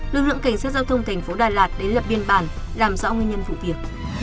lực lượng cảnh sát giao thông tp đà lạt đến lập biên bản làm rõ nguyên nhân vụ việc